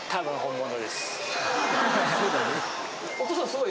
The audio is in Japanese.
すごい！